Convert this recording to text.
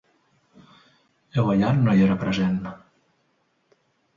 Egoyan no hi era present.